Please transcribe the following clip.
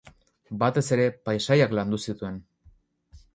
Batez ere, paisaiak landu zituen.